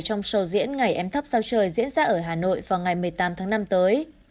trong sầu diễn ngày em thắp sao trời diễn ra ở hà nội vào ngày một mươi tám tháng năm tới